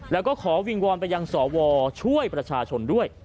แล้วก็ขอวิงวอนไปยังสวช่วยประชาชนด้วย